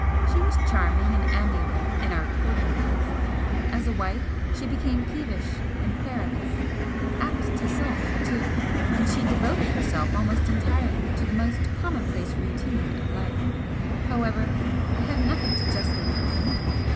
She was charming and amiable in our courting days as a wife she became peevish and querulous, apt to sulk, too, and she devoted herself almost entirely to the most commonplace routine of life; however, I had nothing to justly complain of.